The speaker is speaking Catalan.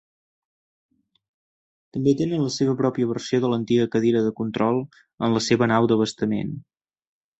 També tenen la seva pròpia versió de l'antiga cadira de control en la seva nau d'abastament.